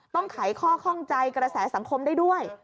ไขข้อข้องใจกระแสสังคมได้ด้วย